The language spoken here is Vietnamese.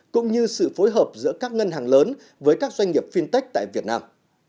cũng như sự phối hợp giữa các ngân hàng lớn với các doanh nghiệp fintech tại việt nam